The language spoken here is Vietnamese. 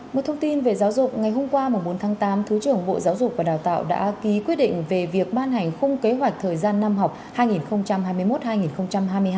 một thông tin về giáo dục ngày hôm qua bốn tháng tám thứ trưởng bộ giáo dục và đào tạo đã ký quyết định về việc ban hành khung kế hoạch thời gian năm học hai nghìn hai mươi một hai nghìn hai mươi hai